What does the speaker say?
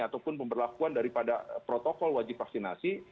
ataupun pemberlakuan daripada protokol wajib vaksinasi